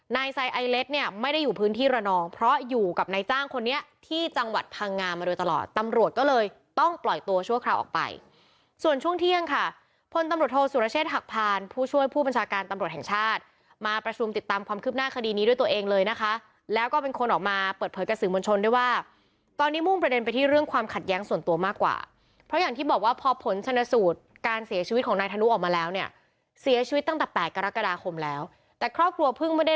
นายไซไอเลสเนี่ยไม่ได้อยู่พื้นที่ระนองเพราะอยู่กับนายจ้างคนนี้ที่จังหวัดพังงามมาโดยตลอดตำรวจก็เลยต้องปล่อยตัวชั่วคราวออกไปส่วนช่วงเที่ยงค่ะพลตำรวจโทรศุรเชษฐ์หักผ่านผู้ช่วยผู้บัญชาการตำรวจแห่งชาติมาประชุมติดตามความคืบหน้าคดีนี้ด้วยตัวเองเลยนะคะแล้วก็เป็นคนออกมาเปิดเผยกับสื่อม